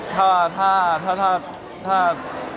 ถ้าถ้าถ้าถ้า